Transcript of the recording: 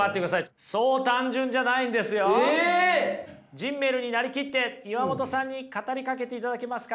ジンメルになりきって岩本さんに語りかけていただけますか。